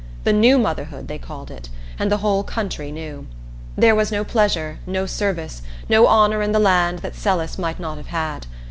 "The New Motherhood" they called it, and the whole country knew. There was no pleasure, no service, no honor in all the land that Celis might not have had.